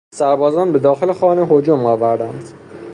سربازان به داخل خانه هجوم آوردند.